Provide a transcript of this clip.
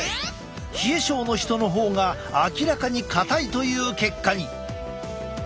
冷え症の人の方が明らかに硬いという結果に。